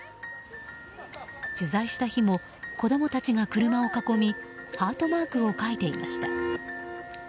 取材した日も子供たちが車を囲みハートマークを描いていました。